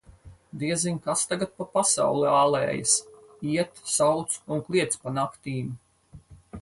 Diezin, kas tagad pa pasauli ālējas: iet, sauc un kliedz pa naktīm.